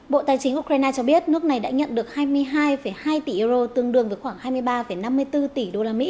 bộ tài chính ukraine cho biết nước này đã nhận được hai mươi hai hai tỷ euro tương đương với khoảng hai mươi ba năm mươi bốn tỷ usd